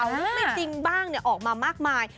หรือไม่จริงบ้างออกมามากมาย